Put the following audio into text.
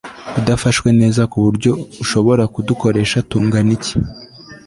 udafashwe neza ku buryo ushobora kudukoresha tunganiki